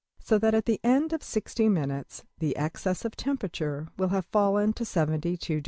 So that at the end of $60$~minutes the excess of temperature will have fallen to $72° × 0.